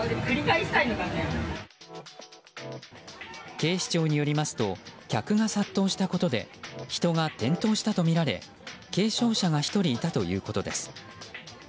警視庁によりますと客が殺到したことで人が転倒したとみられ軽傷者が１人いたということです。